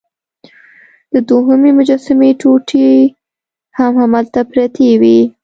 د دوهمې مجسمې ټوټې هم هلته پرتې وې.